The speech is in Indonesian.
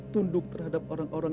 tunduk terhadap orang orang